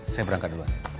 saya berangkat dulu